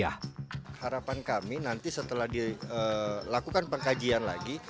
harapan kami nanti setelah dilakukan pengkajian lagi